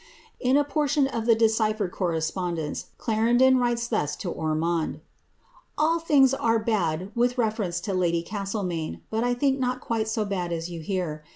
In a portion of the decyphered correspondence. Clarendon writes thus )o Orniond ^— All things are bad with reference to lady Castlemainei but 1 think not quite so bad as you hear.